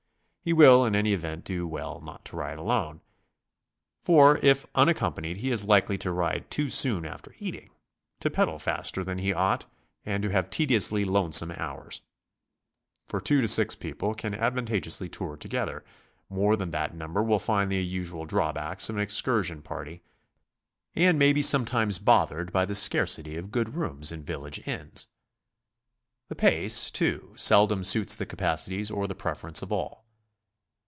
He will in any event do well not to ride alone, for if unaccompanied he is likely to ride too soon after eating, to pedal faster than he ought, and to have tediously lonesome hours. From two to six people can advantageously tour to gether; more than that number will And the usual drawbacks of an excursion party, and may be sometimes bothered by the 88 GOING ABROAD? scarcity 'of good rooms in village inns. The pace, too, seldom suits the capacities or the preference of all.